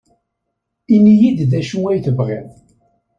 Ini-iyi-d d acu ay tebɣiḍ.